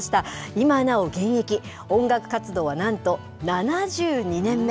今なお現役、音楽活動はなんと７２年目。